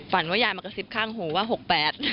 ว่ายายมากระซิบข้างหูว่าหกแปด